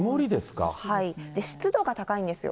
湿度が高いんですよ。